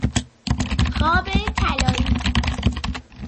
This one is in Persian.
خواب طلایی